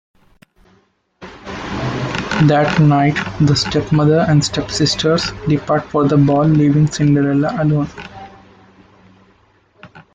That night, the stepmother and stepsisters depart for the ball leaving Cinderella alone.